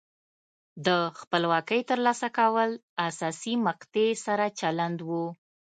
د خپلواکۍ ترلاسه کول حساسې مقطعې سره چلند و.